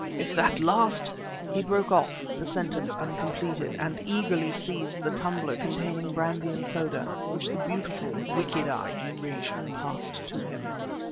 If that last ..." He broke off, the sentence uncompleted, and eagerly seized the tumbler containing brandy and soda, which the beautiful, wicked eyed Eurasian passed to him.